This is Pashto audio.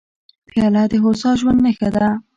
پیاله د هوسا ژوند نښه ده.